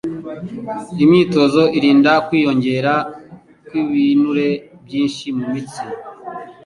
Imyitozo irinda kwiyongera kw'ibinure byinshi mu mitsi